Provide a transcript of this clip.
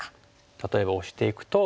例えばオシていくと。